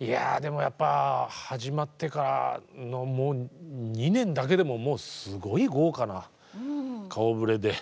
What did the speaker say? いやでもやっぱ始まってからのもう２年だけでももうすごい豪華な顔ぶれで。